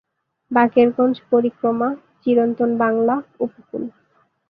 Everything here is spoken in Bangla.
বাকেরগঞ্জ পরিক্রমা, চিরন্তন বাংলা, উপকূল।